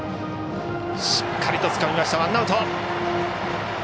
しっかりとつかんでワンアウト。